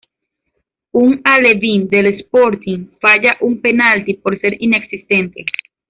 Un alevín del Sporting falla un penalti por ser inexistente